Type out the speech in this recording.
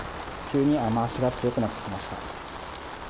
急に雨足が強くなってきました。